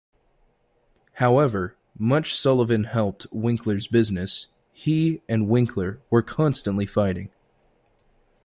However much Sullivan helped Winkler's business, he and Winkler were constantly fighting.